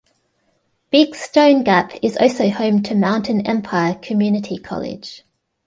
Big Stone Gap is also home to Mountain Empire Community College.